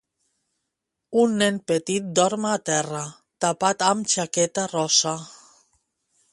Un nen petit dorm a terra, tapat amb jaqueta rosa.